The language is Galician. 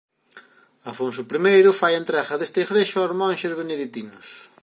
Afonso I fai entrega desta igrexa aos monxes beneditinos.